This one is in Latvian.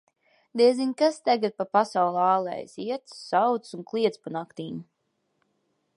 Diezin, kas tagad pa pasauli ālējas: iet, sauc un kliedz pa naktīm.